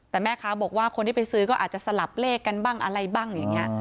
แต่แม่ค้าบอกว่าคนที่ไปซื้อก็อาจจะสลับเลขกันบ้างอะไรบ้างอย่างนี้